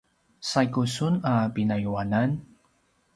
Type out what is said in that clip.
saigu sun a pinayuanan?